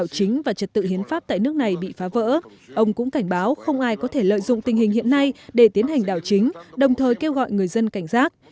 chính và trật tự hiến pháp tại nước này bị phá vỡ ông cũng cảnh báo không ai có thể lợi dụng tình hình hiện nay để tiến hành đảo chính đồng thời kêu gọi người dân cảnh giác